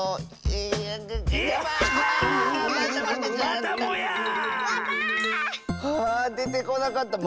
あでてこなかった！